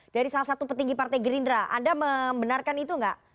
dari salah satu petinggi partai gerindra anda membenarkan itu nggak